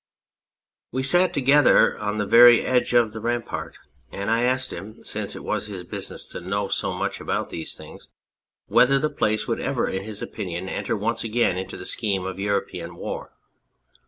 237 On Anything We sat together on the very edge of the rampart, and I asked him, since it was his business to know so much about these things, whether the place would ever in his opinion enter once again into the scheme of European war.